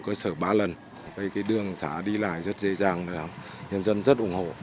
cái đường xá đi lại rất dễ dàng nhân dân rất ủng hộ